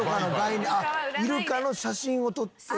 イルカの写真を撮って。